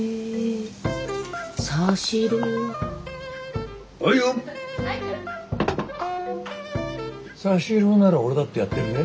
差し色なら俺だってやってるぜ。